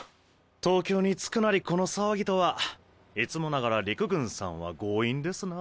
東京に着くなりこの騒ぎとはいつもながら陸軍さんは強引ですな。